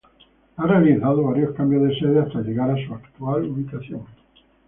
Ha realizado varios cambios de sede hasta llegar a su actual ubicación.